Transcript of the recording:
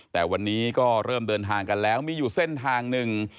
แต่วันนี้ก็เริ่มเดินทางกันแล้วมีอยู่เส้นทางหนึ่ง